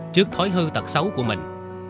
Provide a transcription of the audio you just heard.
trước thói hư thật xấu của mình